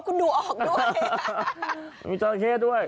กัสมันดูออกด้วย